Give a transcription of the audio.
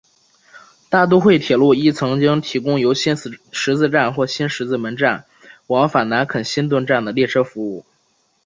大都会铁路亦曾经提供由新十字站或新十字门站往返南肯辛顿站的列车服务。